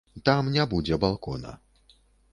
Там не будзе балкона.